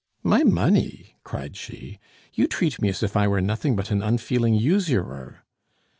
"My money!" cried she. "You treat me as if I were nothing but an unfeeling usurer."